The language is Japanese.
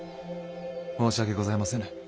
申し訳ございませぬ。